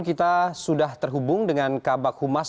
kita sudah terhubung dengan kabak humas